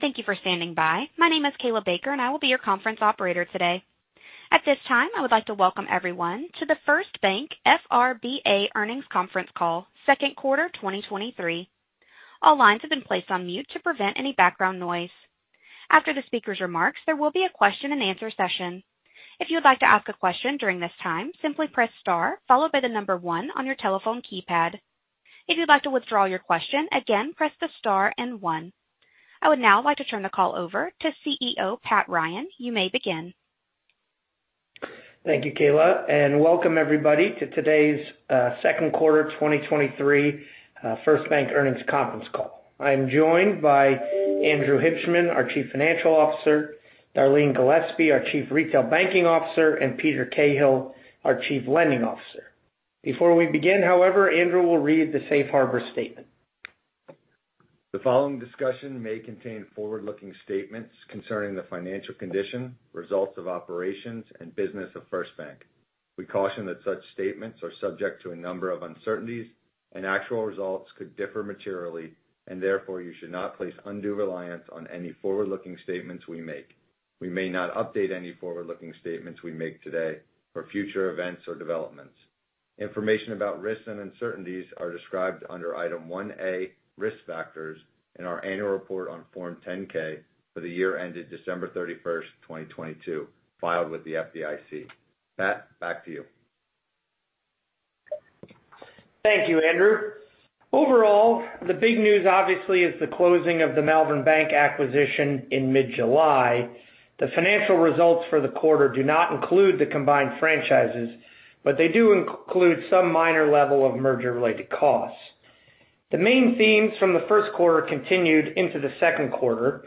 Thank you for standing by. My name is Kayla Baker, I will be your conference Operator today. At this time, I would like to welcome everyone to the First Bank FRBA earnings conference call, second quarter, 2023. All lines have been placed on mute to prevent any background noise. After the speaker's remarks, there will be a question-and-answer session. If you would like to ask a question during this time, simply press star, followed by the one on your telephone keypad. If you'd like to withdraw your question again, press the star and one. I would now like to turn the call over to CEO, Patrick Ryan. You may begin. Thank you, Kayla, and welcome everybody to today's second quarter 2023 First Bank Earnings conference call. I'm joined by Andrew Hibshman, our Chief Financial Officer, Darleen Gillespie, our Chief Retail Banking Officer, and Peter Cahill, our Chief Lending Officer. Before we begin, however, Andrew will read the Safe Harbor Statement. The following discussion may contain forward-looking statements concerning the financial condition, results of operations, and business of First Bank. We caution that such statements are subject to a number of uncertainties, actual results could differ materially, therefore you should not place undue reliance on any forward-looking statements we make. We may not update any forward-looking statements we make today for future events or developments. Information about risks and uncertainties are described under Item 1A, Risk Factors in our annual report on Form 10-K for the year ended December 31, 2022, filed with the FDIC. Pat, back to you. Thank you, Andrew. Overall, the big news obviously is the closing of the Malvern Bank acquisition in mid-July. The financial results for the quarter do not include the combined franchises, they do include some minor level of merger-related costs. The main themes from the first quarter continued into the second quarter,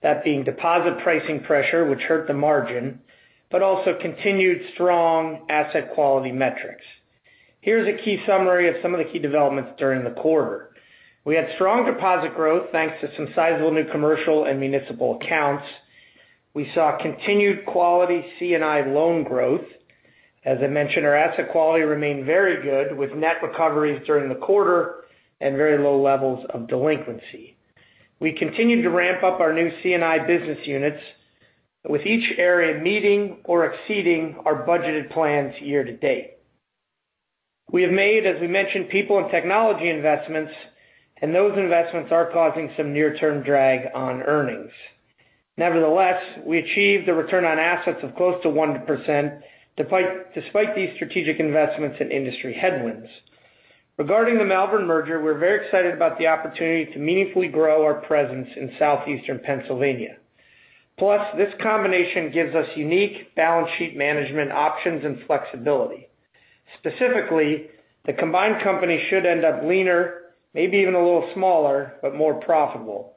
that being deposit pricing pressure, which hurt the margin, also continued strong asset quality metrics. Here's a key summary of some of the key developments during the quarter. We had strong deposit growth, thanks to some sizable new commercial and municipal accounts. We saw continued quality C&I Loan Growth. As I mentioned, our asset quality remained very good, with net recoveries during the quarter and very low levels of delinquency. We continued to ramp up our new C&I business units, with each area meeting or exceeding our budgeted plans year to date. We have made, as we mentioned, people and technology investments. Those investments are causing some near-term drag on earnings. Nevertheless, we achieved a return on assets of close to 1%, despite these Strategic Investments and Industry Headwinds. Regarding the Malvern merger, we're very excited about the opportunity to meaningfully grow our presence in southeastern Pennsylvania. Plus, this combination gives us unique balance sheet management options and flexibility. Specifically, the combined company should end up leaner, maybe even a little smaller, but more profitable.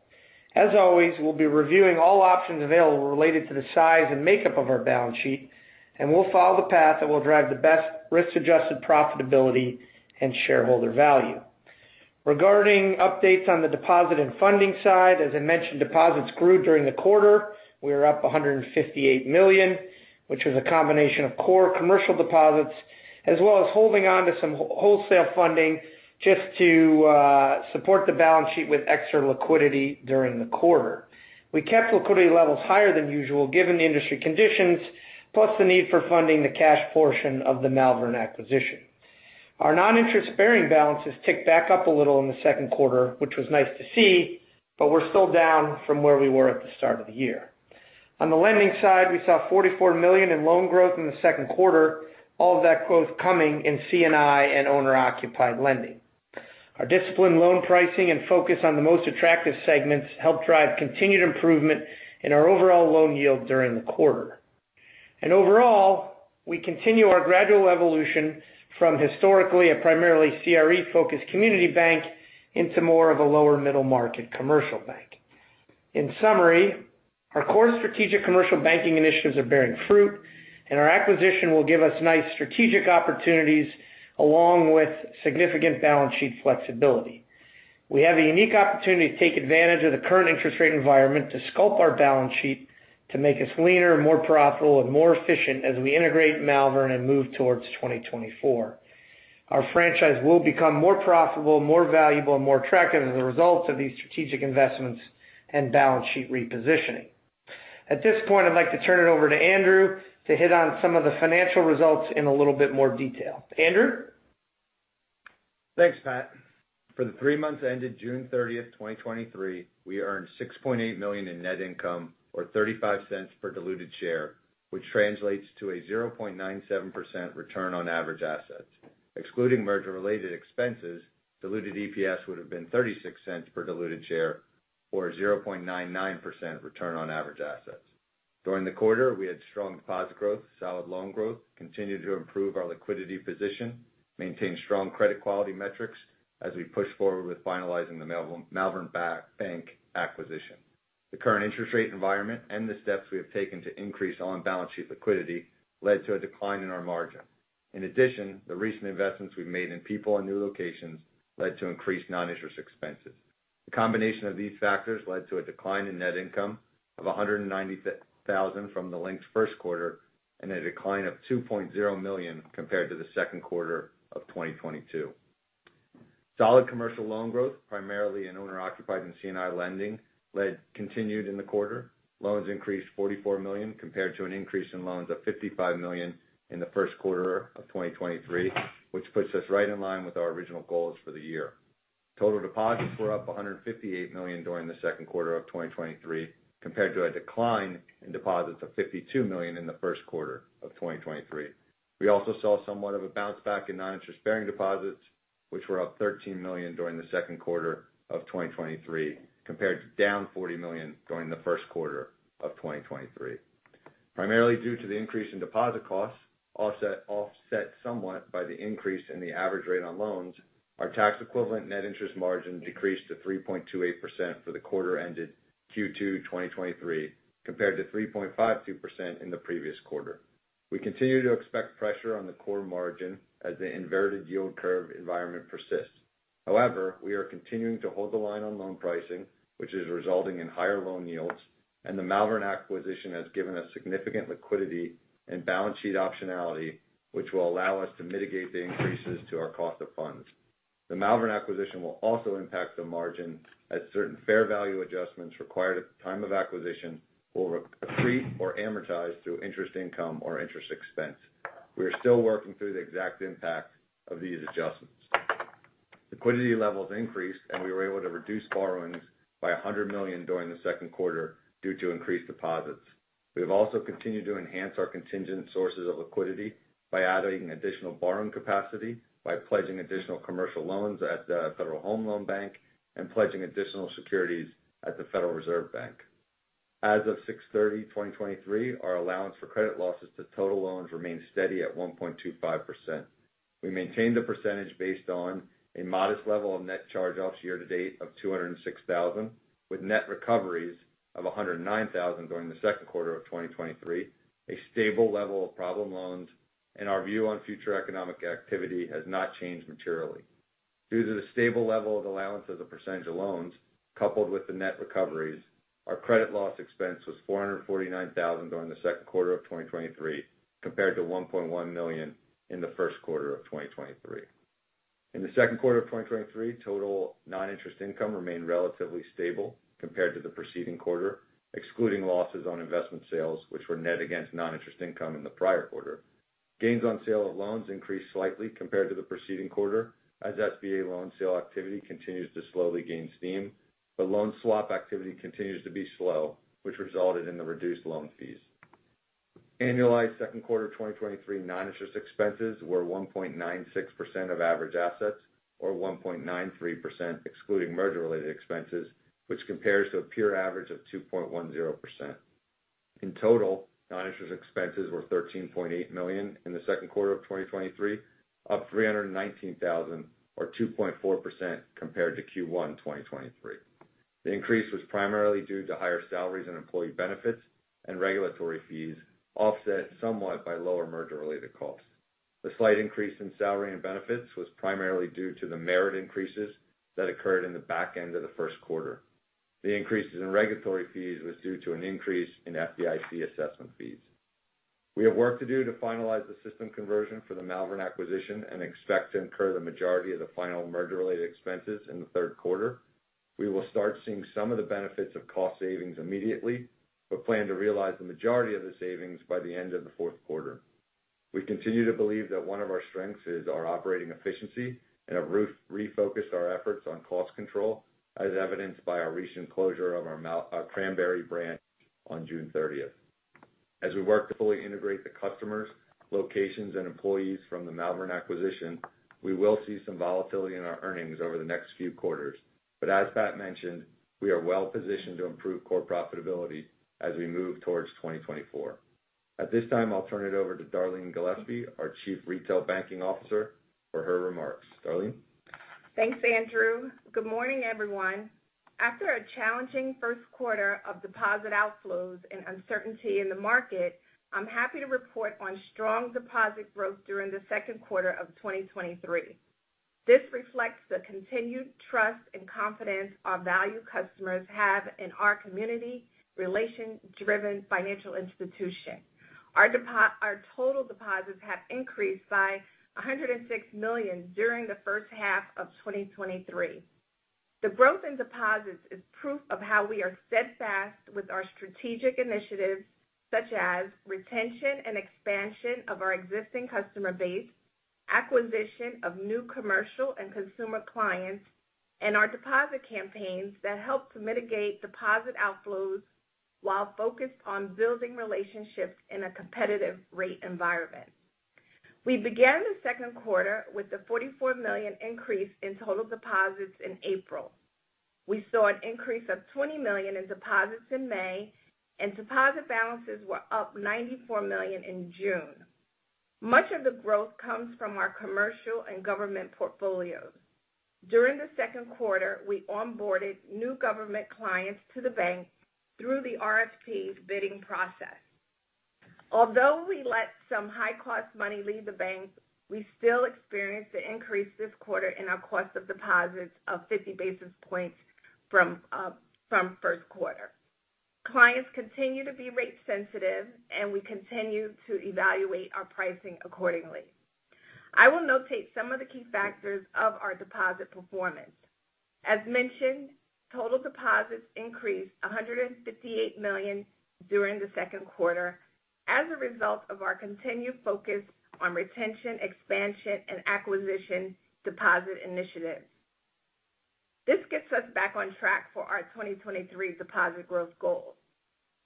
As always, we'll be reviewing all options available related to the size and makeup of our balance sheet, and we'll follow the path that will drive the best risk-adjusted profitability and shareholder value. Regarding updates on the deposit and funding side, as I mentioned, deposits grew during the quarter. We were up $158 million, which was a combination of core commercial deposits, as well as holding onto some wholesale funding just to support the balance sheet with extra liquidity during the quarter. We kept liquidity levels higher than usual, given the industry conditions, plus the need for funding the cash portion of the Malvern acquisition. Our Non-interest-bearing balances ticked back up a little in the second quarter, which was nice to see, but we're still down from where we were at the start of the year. On the lending side, we saw $44 million in loan growth in the second quarter, all of that growth coming in C&I and owner-occupied lending. Our disciplined loan pricing and focus on the most attractive segments helped drive continued improvement in our overall loan yield during the quarter. Overall, we continue our gradual evolution from historically a primarily CRE-focused Community Bank into more of a lower middle-market Commercial Bank. In summary, our core Strategic Commercial Banking Initiatives are bearing fruit, and our acquisition will give us nice strategic opportunities along with significant balance sheet flexibility. We have a unique opportunity to take advantage of the current interest rate environment to sculpt our balance sheet to make us leaner, more profitable, and more efficient as we integrate Malvern and move towards 2024. Our franchise will become more profitable, more valuable, and more attractive as a result of these strategic investments and balance sheet repositioning. At this point, I'd like to turn it over to Andrew to hit on some of the financial results in a little bit more detail. Andrew? Thanks, Pat. For the three months ended June 30, 2023, we earned $6.8 million in net income or $0.35 per diluted share, which translates to a 0.97% return on average assets. Excluding merger-related expenses, diluted EPS would have been $0.36 per diluted share or 0.99% return on average assets. During the quarter, we had strong deposit growth, Solid Loan growth, continued to improve our liquidity position, maintained strong credit quality metrics as we pushed forward with finalizing the Malvern Bank acquisition. The current interest rate environment and the steps we have taken to increase on-balance sheet liquidity led to a decline in our margin. In addition, the recent investments we've made in people and new locations led to increased Non-interest expenses. The combination of these factors led to a decline in net income of $190 thousand from the linked first quarter and a decline of $2.0 million compared to the second quarter of 2022. Solid commercial loan growth, primarily in owner-occupied and C&I lending, continued in the quarter. Loans increased $44 million, compared to an increase in loans of $55 million in the first quarter of 2023, which puts us right in line with our original goals for the year. Total deposits were up $158 million during the second quarter of 2023, compared to a decline in deposits of $52 million in the first quarter of 2023. We also saw somewhat of a bounce back in Non-interest bearing deposits, which were up $13 million during the second quarter of 2023, compared to down $40 million during the first quarter of 2023. Primarily due to the increase in deposit costs, offset somewhat by the increase in the average rate on loans, our tax equivalent net interest margin decreased to 3.28% for the quarter ended Q2 2023, compared to 3.52% in the previous quarter. We continue to expect pressure on the core margin as the inverted yield curve environment persists. We are continuing to hold the line on loan pricing, which is resulting in higher loan yields, and the Malvern acquisition has given us significant liquidity and balance sheet optionality, which will allow us to mitigate the increases to our cost of funds. The Malvern acquisition will also impact the margin as certain fair value adjustments required at the time of acquisition will accrete or amortize through interest income or interest expense. We are still working through the exact impact of these adjustments. Liquidity levels increased, and we were able to reduce borrowings by $100 million during the second quarter due to increased deposits. We have also continued to enhance our contingent sources of liquidity by adding additional borrowing capacity, by pledging additional commercial loans at the Federal Home Loan Bank and pledging additional securities at the Federal Reserve Bank. As of June 30, 2023, our allowance for credit losses to total loans remains steady at 1.25%. We maintained the percentage based on a modest level of net charge-offs year to date of $206,000, with net recoveries of $109,000 during the second quarter of 2023, a stable level of problem loans, and our view on future economic activity has not changed materially. Due to the stable level of allowance as a percentage of loans, coupled with the net recoveries, our credit loss expense was $449,000 during the second quarter of 2023, compared to $1.1 million in the first quarter of 2023. In the second quarter of 2023, total Non-interest income remained relatively stable compared to the preceding quarter, excluding losses on investment sales, which were net against Non-interest income in the prior quarter. Gains on sale of loans increased slightly compared to the preceding quarter, as SBA loan sale activity continues to slowly gain steam, but loan swap activity continues to be slow, which resulted in the reduced loan fees. Annualized second quarter 2023 Non-interest expenses were 1.96% of average assets, or 1.93% excluding merger-related expenses, which compares to a peer average of 2.10%. In total, Non-interest expenses were $13.8 million in the second quarter of 2023, up $319,000 or 2.4% compared to Q1 2023. The increase was primarily due to higher salaries and employee benefits and regulatory fees, offset somewhat by lower merger-related costs. The slight increase in salary and benefits was primarily due to the merit increases that occurred in the back end of the first quarter. The increases in regulatory fees was due to an increase in FDIC assessment fees. We have work to do to finalize the system conversion for the Malvern acquisition and expect to incur the majority of the final merger-related expenses in the third quarter. We will start seeing some of the benefits of cost savings immediately, but plan to realize the majority of the savings by the end of the fourth quarter. We continue to believe that one of our strengths is our operating efficiency and have refocused our efforts on cost control, as evidenced by our recent closure of our Cranbury branch on June thirtieth. As we work to fully integrate the customers, locations, and employees from the Malvern acquisition, we will see some volatility in our earnings over the next few quarters. As Pat mentioned, we are well positioned to improve core profitability as we move towards 2024. At this time, I'll turn it over to Darleen Gillespie, our Chief Retail Banking Officer, for her remarks. Darleen? Thanks, Andrew. Good morning, everyone. After a challenging first quarter of deposit outflows and uncertainty in the market, I'm happy to report on strong deposit growth during the second quarter of 2023. This reflects the continued trust and confidence our value customers have in our Community, Relation-Driven Financial Institution. Our total deposits have increased by $106 million during the first half of 2023. The growth in deposits is proof of how we are steadfast with our strategic initiatives, such as retention and expansion of our existing customer base, acquisition of new commercial and consumer clients, and our deposit campaigns that help to mitigate deposit outflows while focused on building relationships in a competitive rate environment. We began the second quarter with a $44 million increase in total deposits in April. We saw an increase of $20 million in deposits in May, and deposit balances were up $94 million in June. Much of the growth comes from our commercial and government portfolios. During the second quarter, we onboarded new government clients to the bank through the RFP bidding process. Although we let some high-cost money leave the bank, we still experienced an increase this quarter in our cost of deposits of 50 basis points from first quarter. Clients continue to be rate sensitive, and we continue to evaluate our pricing accordingly. I will notate some of the key factors of our deposit performance. As mentioned, total deposits increased $158 million during the second quarter as a result of our continued focus on retention, expansion, and acquisition deposit initiatives. This gets us back on track for our 2023 deposit growth goal.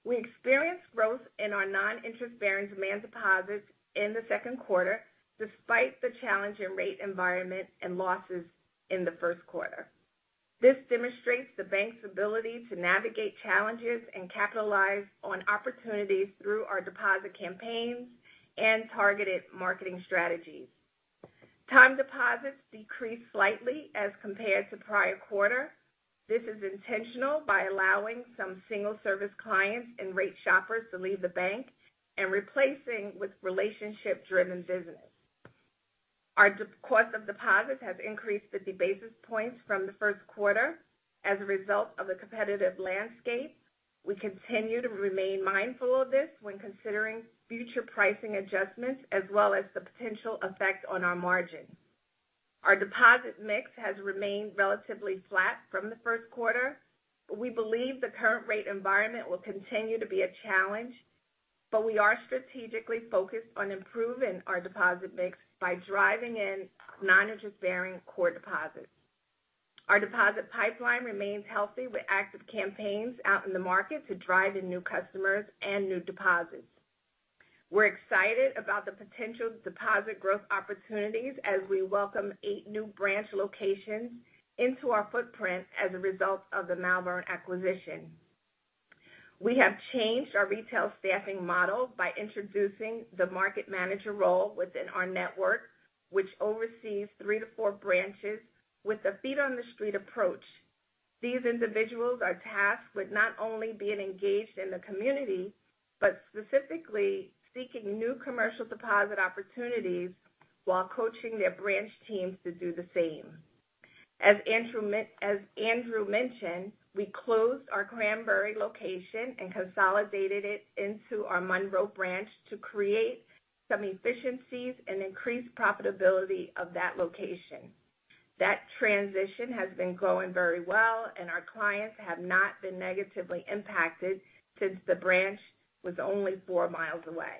We experienced growth in our Non-interest bearing demand deposits in the second quarter, despite the challenging rate environment and losses in the first quarter. This demonstrates the bank's ability to navigate challenges and capitalize on opportunities through our deposit campaigns and targeted marketing strategies. Time deposits decreased slightly as compared to prior quarter. This is intentional by allowing some single service clients and rate shoppers to leave the bank and replacing with relationship-driven business. Our cost of deposit has increased 50 basis points from the first quarter as a result of the competitive landscape. We continue to remain mindful of this when considering future pricing adjustments, as well as the potential effect on our margin. Our deposit mix has remained relatively flat from the first quarter. We believe the current rate environment will continue to be a challenge, but we are strategically focused on improving our deposit mix by driving in Non-interest bearing core deposits. Our deposit pipeline remains healthy with active campaigns out in the market to drive in new customers and new deposits. We're excited about the potential deposit growth opportunities as we welcome 8 new branch locations into our footprint as a result of the Malvern acquisition. We have changed our retail staffing model by introducing the market manager role within our network, which oversees three to four branches with a feet on the street approach. These individuals are tasked with not only being engaged in the community, but specifically seeking new commercial deposit opportunities while coaching their branch teams to do the same. As Andrew mentioned, we closed our Cranbury location and consolidated it into our Monroe branch to create some efficiencies and increase profitability of that location. That transition has been going very well, and our clients have not been negatively impacted since the branch was only four miles away.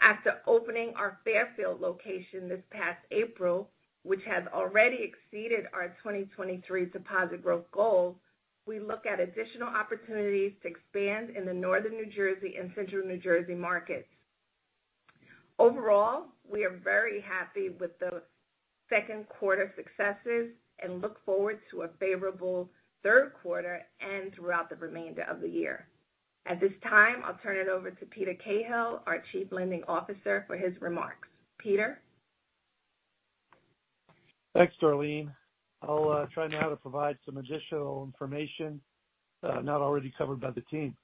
After opening our Fairfield location this past April, which has already exceeded our 2023 deposit growth goal, we look at additional opportunities to expand in the Northern New Jersey and Central New Jersey Markets. Overall, we are very happy with the second quarter successes and look forward to a favorable third quarter and throughout the remainder of the year. At this time, I'll turn it over to Peter Cahill, our Chief Lending Officer, for his remarks. Peter? Thanks, Darleen. I'll try now to provide some additional information not already covered by the team.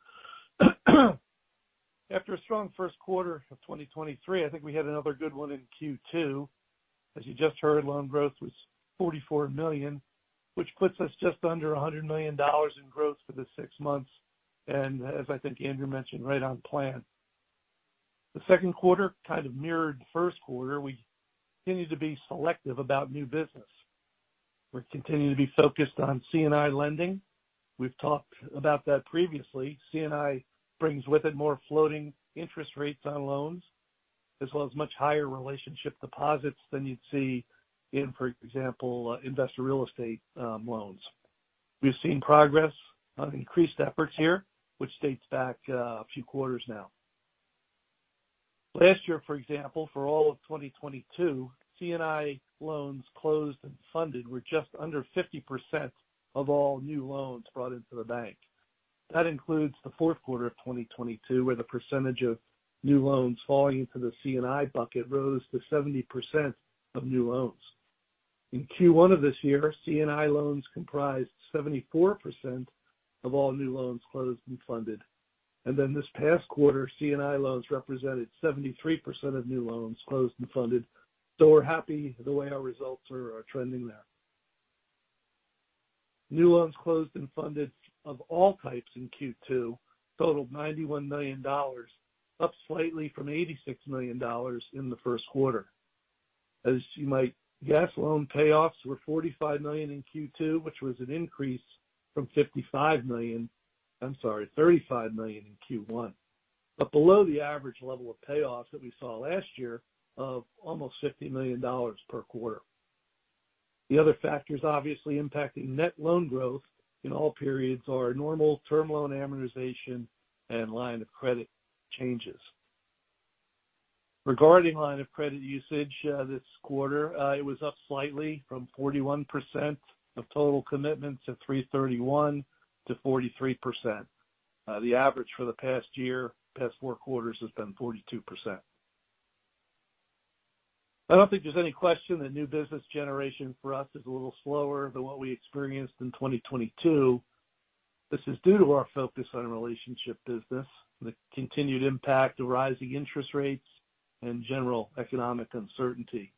After a strong first quarter of 2023, I think we had another good one in Q2. As you just heard, loan growth was $44 million, which puts us just under $100 million in growth for the six months, and as I think Andrew Hibshman mentioned, right on plan. The second quarter kind of mirrored the first quarter. We continued to be selective about new business. We're continuing to be focused on C&I Lending. We've talked about that previously. C&I brings with it more floating interest rates on loans, as well as much higher relationship deposits than you'd see in, for example, investor real estate loans. We've seen progress on increased efforts here, which dates back a few quarters now. Last year, for example, for all of 2022, C&I loans closed and funded were just under 50% of all new loans brought into First Bank. That includes the fourth quarter of 2022, where the percentage of new loans falling into the C&I bucket rose to 70% of new loans. In Q1 of this year, C&I loans comprised 74% of all new loans closed and funded. This past quarter, C&I loans represented 73% of new loans closed and funded. We're happy the way our results are trending there. New loans closed and funded of all types in Q2 totaled $91 million, up slightly from $86 million in the first quarter. You might guess, loan payoffs were $45 million in Q2, which was an increase from $55 million. I'm sorry, $35 million in Q1, below the average level of payoffs that we saw last year of almost $50 million per quarter. The other factors obviously impacting net loan growth in all periods are normal term loan amortization and line of credit changes. Regarding line of credit usage, this quarter, it was up slightly from 41% of total commitments of 331 to 43%. The average for the past year, past four quarters, has been 42%. I don't think there's any question that new business generation for us is a little slower than what we experienced in 2022. This is due to our focus on relationship business, the continued impact of rising interest rates and general economic uncertainty.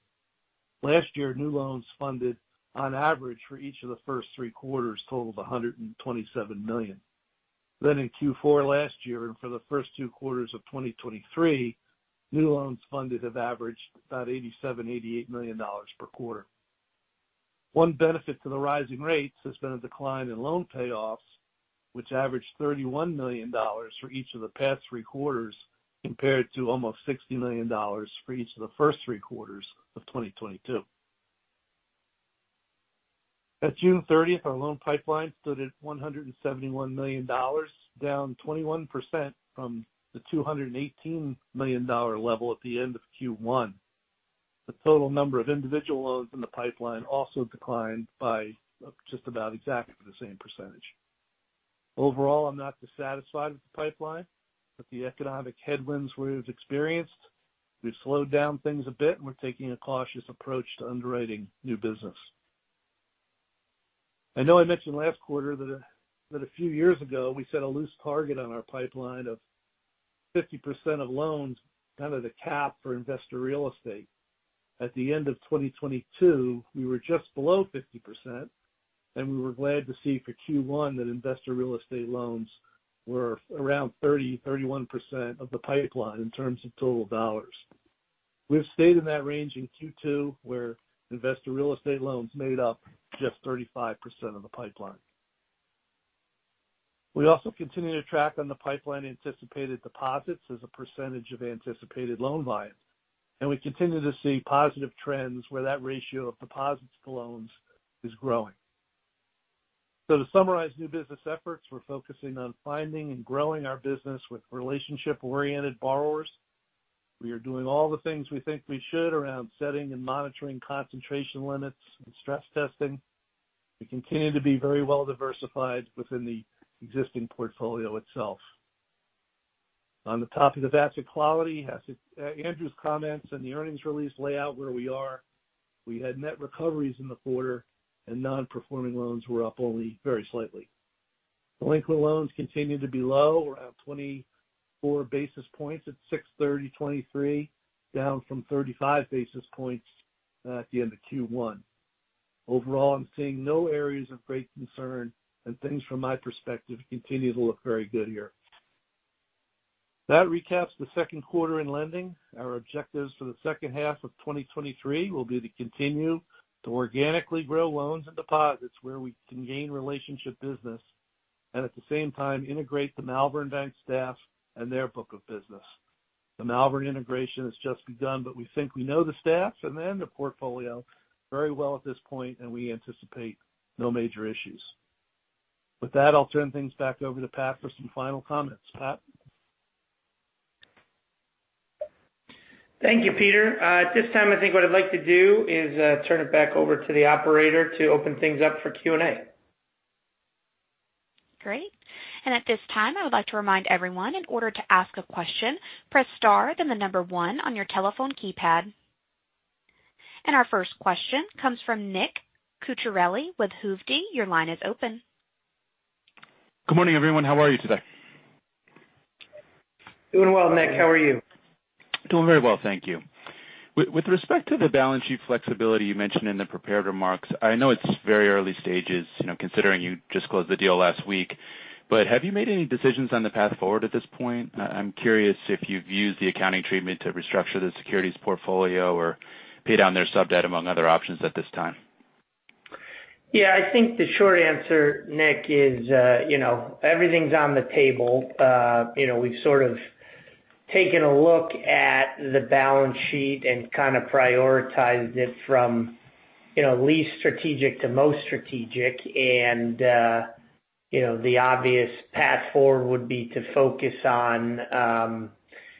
Last year, new loans funded on average for each of the first three quarters totaled $127 million. In Q4 last year, and for the first two quarters of 2023, new loans funded have averaged about $87 million-$88 million per quarter. One benefit to the rising rates has been a decline in loan payoffs, which averaged $31 million for each of the past three quarters, compared to almost $60 million for each of the first three quarters of 2022. At June 30th, our loan pipeline stood at $171 million, down 21% from the $218 million level at the end of Q1. The total number of individual loans in the pipeline also declined by just about exactly the same percentage. Overall, I'm not dissatisfied with the pipeline, but the economic headwinds we've experienced, we've slowed down things a bit, and we're taking a cautious approach to underwriting new business. I know I mentioned last quarter that a few years ago, we set a loose target on our pipeline of 50% of loans, kind of the cap for investor real estate. At the end of 2022, we were just below 50%. We were glad to see for Q1 that investor real estate loans were around 30%-31% of the pipeline in terms of total dollars. We've stayed in that range in Q2, where investor real estate loans made up just 35% of the pipeline. We also continue to track on the pipeline anticipated deposits as a percentage of anticipated loan volume. We continue to see positive trends where that ratio of deposits to loans is growing. To summarize new business efforts, we're focusing on finding and growing our business with relationship-oriented borrowers. We are doing all the things we think we should around setting and monitoring concentration limits and stress testing. We continue to be very well diversified within the existing portfolio itself. On the topic of asset quality, Andrew's comments and the earnings release lay out where we are. We had net recoveries in the quarter. Non-performing loans were up only very slightly. Delinquent loans continue to be low, around 24 basis points at June 30, 2023, down from 35 basis points at the end of Q1. Overall, I'm seeing no areas of great concern. Things from my perspective, continue to look very good here. That recaps the second quarter in lending. Our objectives for the second half of 2023 will be to continue to organically grow loans and deposits where we can gain relationship business, and at the same time, integrate the Malvern Bank Staff and their Book of Business. The Malvern Integration has just begun, but we think we know the staffs and then the portfolio very well at this point, and we anticipate no major issues. With that, I'll turn things back over to Pat for some final comments. Pat? Thank you, Peter. At this time, I think what I'd like to do is turn it back over to the Operator to open things up for Q&A. Great. At this time, I would like to remind everyone, in order to ask a question, press star, then the number one on your telephone keypad. Our first question comes from Nick Cucharale with Hovde. Your line is open. Good morning, everyone. How are you today? Doing well, Nick. How are you? Doing very well, thank you. With respect to the balance sheet flexibility you mentioned in the prepared remarks, I know it's very early stages, you know, considering you just closed the deal last week, but have you made any decisions on the path forward at this point? I'm curious if you've used the accounting treatment to restructure the securities portfolio or pay down their sub-debt, among other options at this time. Yeah, I think the short answer, Nick, is, you know, everything's on the table. You know, we've sort of taken a look at the balance sheet and kind of prioritized it from, you know, least strategic to most strategic. You know, the obvious path forward would be to focus on,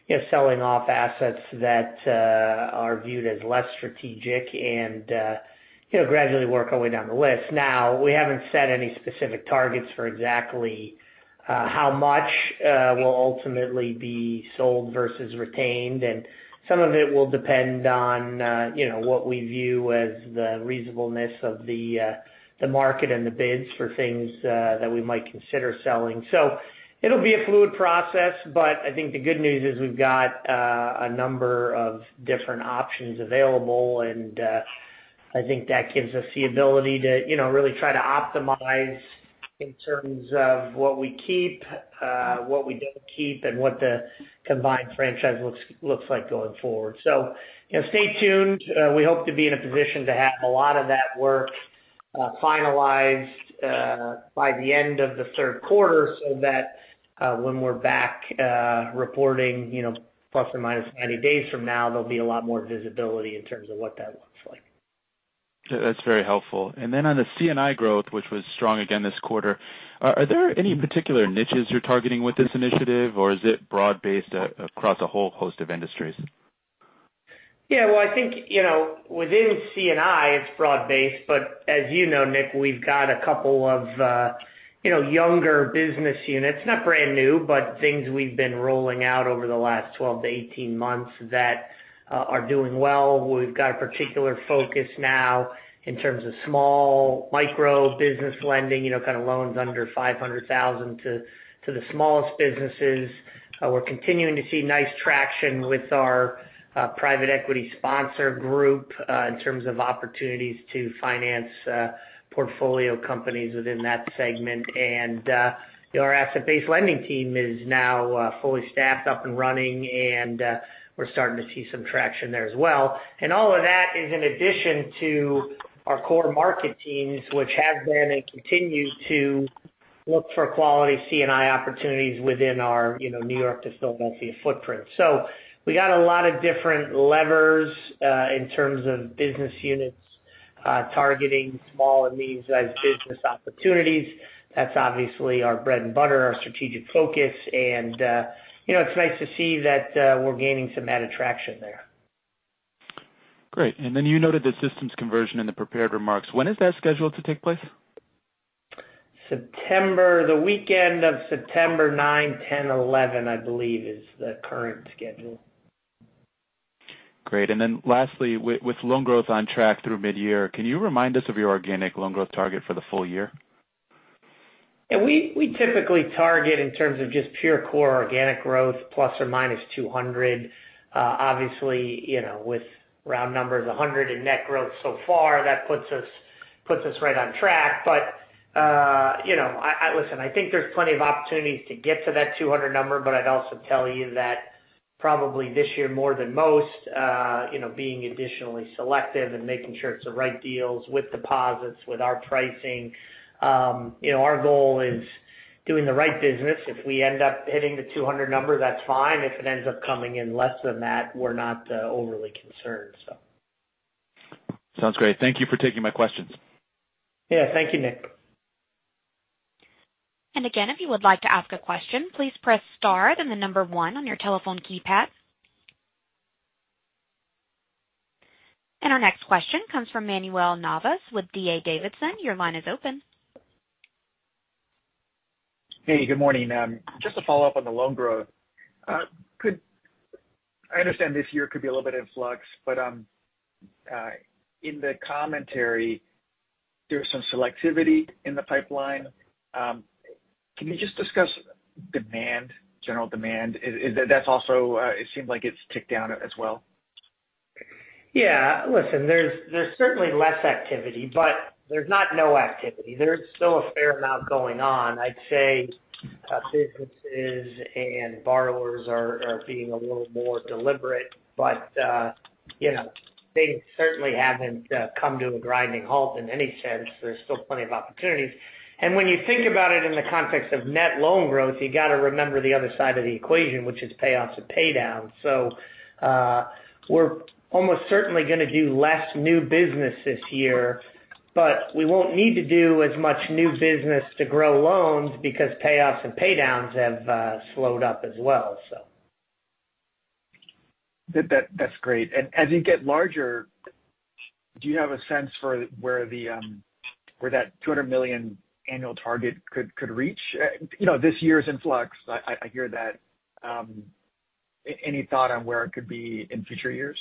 you know, selling off assets that are viewed as less strategic and, you know, gradually work our way down the list. Now, we haven't set any specific targets for exactly how much will ultimately be sold versus retained. Some of it will depend on, you know, what we view as the reasonableness of the market and the bids for things that we might consider selling. It'll be a fluid process, but I think the good news is we've got a number of different options available, and I think that gives us the ability to, you know, really try to optimize in terms of what we keep, what we don't keep, and what the combined franchise looks like going forward. You know, stay tuned. We hope to be in a position to have a lot of that work finalized by the end of the third quarter, so that when we're back reporting, you know, ±90 days from now, there'll be a lot more visibility in terms of what that looks like. That's very helpful. On the C&I growth, which was strong again this quarter, are there any particular niches you're targeting with this initiative, or is it broad-based across a whole host of industries? Well, I think, you know, within C&I, it's broad-based, but as you know, Nick, we've got a couple of, you know, younger business units, not brand new, but things we've been rolling out over the last 12 months-18 months that are doing well. We've got a particular focus now in terms of small micro business lending, you know, kind of loans under $500,000 to the smallest businesses. We're continuing to see nice traction with our private equity sponsor group in terms of opportunities to finance portfolio companies within that segment. Our asset-based lending team is now fully staffed up and running, and we're starting to see some traction there as well. All of that is in addition to our core market teams, which have been and continue to look for quality C&I opportunities within our, you know, New York to Philadelphia footprint. We got a lot of different levers in terms of business units targeting small and medium-sized business opportunities. That's obviously our bread and butter, our strategic focus. You know, it's nice to see that we're gaining some added traction there. Great. You noted the systems conversion in the prepared remarks. When is that scheduled to take place? September. The weekend of September nine, 10, 11, I believe, is the current schedule. Great. Lastly, with loan growth on track through mid-year, can you remind us of your organic loan growth target for the full year? Yeah, we typically target in terms of just pure core organic growth, ±200. Obviously, you know, with round numbers, 100 in net growth so far, that puts us right on track. You know, Listen, I think there's plenty of opportunities to get to that 200 number, but I'd also tell you that probably this year, more than most, you know, being additionally selective and making sure it's the right deals with deposits, with our pricing, you know, our goal is doing the right business. If we end up hitting the 200 number, that's fine. If it ends up coming in less than that, we're not overly concerned. Sounds great. Thank you for taking my questions. Yeah. Thank you, Nick. Again, if you would like to ask a question, please press star, then the number one on your telephone keypad. Our next question comes from Manuel Navas with D.A. Davidson. Your line is open. Hey, good morning. Just to follow up on the loan growth, I understand this year could be a little bit in flux, but, in the commentary, there's some selectivity in the pipeline. Can you just discuss demand, general demand? Is that, that's also, it seems like it's ticked down as well. Yeah. Listen, there's certainly less activity, but there's not no activity. There's still a fair amount going on. I'd say, businesses and borrowers are being a little more deliberate, but, you know, they certainly haven't come to a grinding halt in any sense. There's still plenty of opportunities. When you think about it in the context of net loan growth, you got to remember the other side of the equation, which is payoffs and pay downs. We're almost certainly gonna do less new business this year, but we won't need to do as much new business to grow loans because payoffs and pay downs have slowed up as well, so. That's great. As you get larger, do you have a sense for where the, where that $200 million annual target could reach? You know, this year is in flux. I hear that. Any thought on where it could be in future years?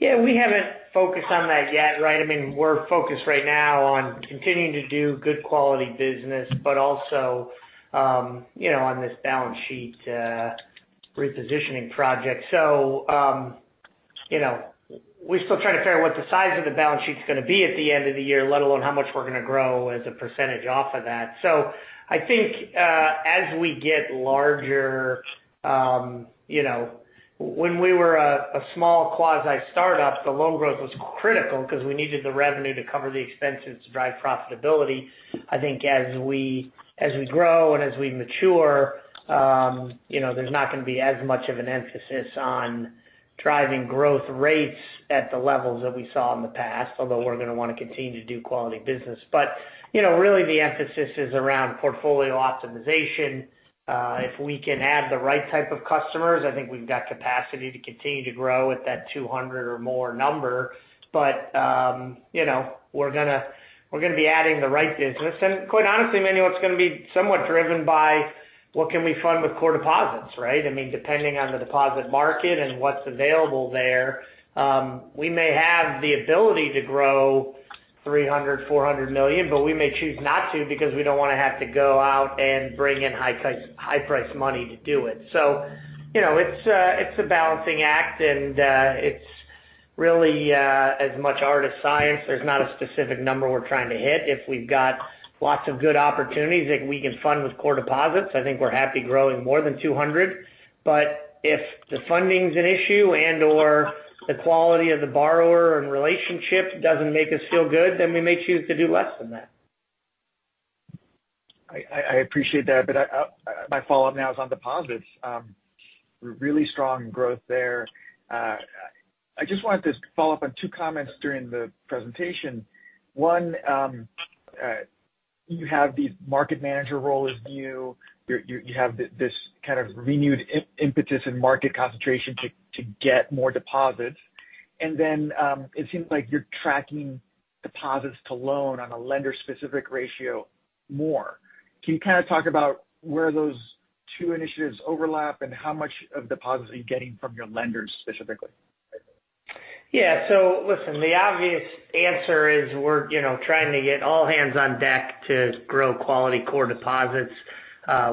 We haven't focused on that yet, right? I mean, we're focused right now on continuing to do good quality business, but also, you know, on this balance sheet, repositioning project. You know, we're still trying to figure out what the size of the balance sheet is gonna be at the end of the year, let alone how much we're gonna grow as a percentage off of that. I think, as we get larger, you know, when we were a small quasi-startup, the loan growth was critical because we needed the revenue to cover the expenses to drive profitability. I think as we, as we grow and as we mature, you know, there's not gonna be as much of an emphasis on driving growth rates at the levels that we saw in the past, although we're gonna wanna continue to do quality business. You know, really the emphasis is around portfolio optimization. If we can add the right type of customers, I think we've got capacity to continue to grow at that 200 or more number. You know, we're gonna be adding the right business. Quite honestly, Manuel, it's gonna be somewhat driven by what can we fund with core deposits, right? I mean, depending on the deposit market and what's available there, we may have the ability to grow $300 million, $400 million, but we may choose not to because we don't wanna have to go out and bring in high-priced money to do it. You know, it's a, it's a balancing act, and it's really as much art as science. There's not a specific number we're trying to hit. If we've got lots of good opportunities that we can fund with core deposits, I think we're happy growing more than $200 million. If the funding's an issue and/or the quality of the borrower and relationship doesn't make us feel good, then we may choose to do less than that. I appreciate that, but I, my follow-up now is on deposits. Really strong growth there. I just wanted to follow up on two comments during the presentation. One, you have the market manager role as you, you have this kind of renewed impetus in market concentration to get more deposits. It seems like you're tracking deposits to loan on a lender-specific ratio more. Can you kind of talk about where those two initiatives overlap and how much of deposits are you getting from your lenders specifically? Yeah. Listen, the obvious answer is we're, you know, trying to get all hands on deck to grow quality core deposits.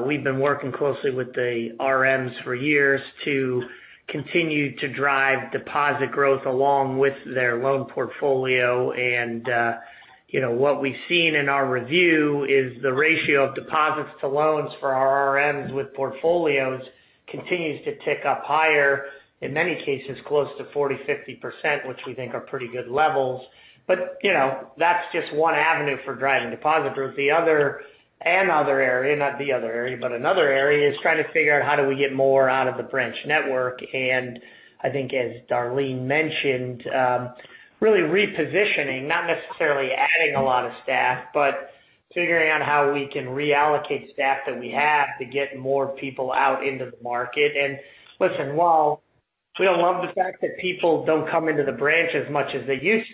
We've been working closely with the RMs for years to continue to drive deposit growth along with their loan portfolio. You know, what we've seen in our review is the ratio of deposits to loans for our RMs with portfolios continues to tick up higher, in many cases, close to 40%, 50%, which we think are pretty good levels. You know, that's just one avenue for driving deposit growth. Another area, not the other area, but another area is trying to figure out how do we get more out of the branch network. I think, as Darlene mentioned, really repositioning, not necessarily adding a lot of staff, but figuring out how we can reallocate staff that we have to get more people out into the market. Listen, while we don't love the fact that people don't come into the branch as much as they used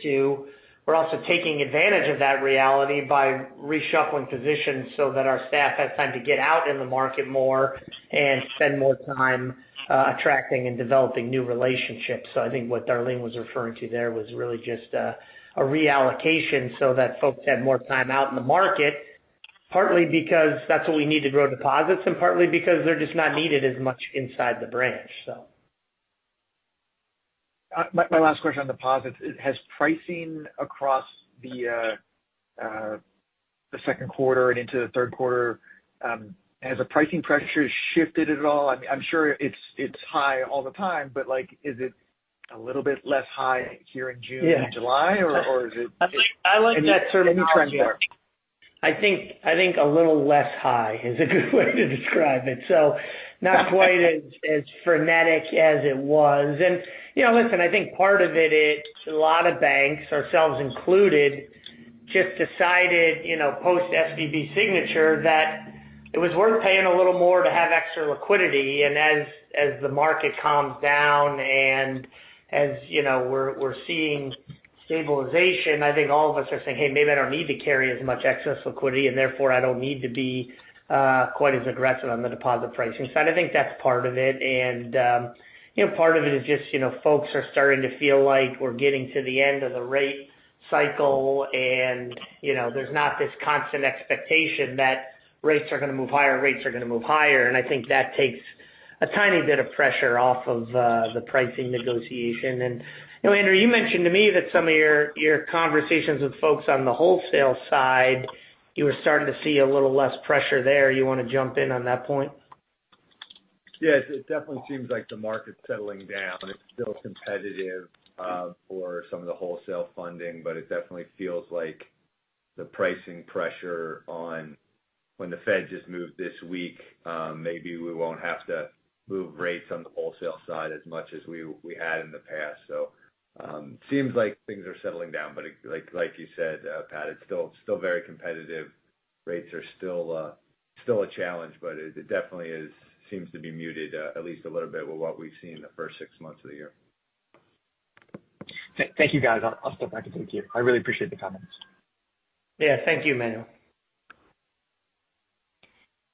to, we're also taking advantage of that reality by reshuffling positions so that our staff has time to get out in the market more and spend more time, attracting and developing new relationships. I think what Darlene was referring to there was really just a reallocation so that folks had more time out in the market, partly because that's what we need to grow deposits, and partly because they're just not needed as much inside the branch, so. My last question on deposits. Has pricing across the second quarter and into the third quarter, has the pricing pressure shifted at all? I mean, I'm sure it's high all the time, but, like, is it a little bit less high here in June? Yeah And July, or is it? I like that. Any trend there? I think a little less high is a good way to describe it. Not quite as frenetic as it was. You know, listen, I think part of it is a lot of banks, ourselves included, just decided, you know, post SVB Signature, that it was worth paying a little more to have extra liquidity. As the market calms down and as, you know, we're seeing stabilization, I think all of us are saying, "Hey, maybe I don't need to carry as much excess liquidity, and therefore, I don't need to be quite as aggressive on the deposit pricing side." I think that's part of it. You know, part of it is just, you know, folks are starting to feel like we're getting to the end of the rate cycle, and, you know, there's not this constant expectation that rates are gonna move higher, rates are gonna move higher. I think that takes a tiny bit of pressure off of the pricing negotiation. You know, Andrew, you mentioned to me that some of your, your conversations with folks on the wholesale side, you were starting to see a little less pressure there. You wanna jump in on that point? Yes, it definitely seems like the market's settling down. It's still competitive for some of the wholesale funding, but it definitely feels like the pricing pressure on when the Fed just moved this week, maybe we won't have to move rates on the wholesale side as much as we had in the past. Seems like things are settling down, but like you said, Pat, it's still very competitive. Rates are still a challenge, but it definitely seems to be muted at least a little bit with what we've seen in the first six months of the year. Thank you, guys. I'll step back and thank you. I really appreciate the comments. Yeah. Thank you, Manuel.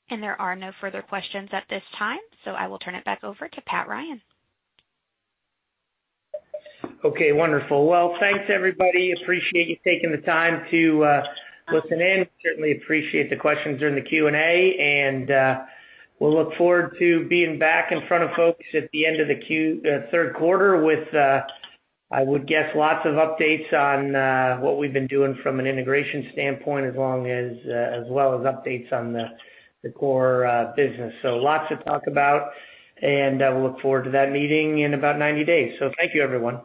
There are no further questions at this time, so I will turn it back over to Patrick Ryan. Okay, wonderful. Well, thanks, everybody. Appreciate you taking the time to listen in. Certainly appreciate the questions during the Q&A, and we'll look forward to being back in front of folks at the end of the third quarter with I would guess, lots of updates on what we've been doing from an integration standpoint, as long as well as updates on the core business. Lots to talk about, and we'll look forward to that meeting in about 90 days. Thank you, everyone.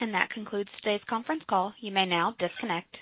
That concludes today's conference call. You may now disconnect.